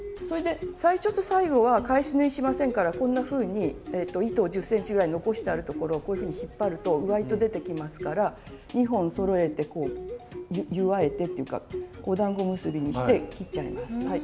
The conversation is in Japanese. それで最初と最後は返し縫いしませんからこんなふうに糸を１０ｃｍぐらい残してあるところをこういうふうに引っ張ると上糸出てきますから２本そろえて結わえてっていうかおだんご結びにして切っちゃいます。